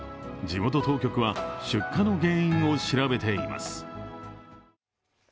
地元当局は出火の原因を調べています。